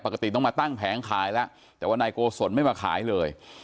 ปกติต้องมาตั้งแผงขายแล้วแต่ว่านายโกศลไม่มาขายเลย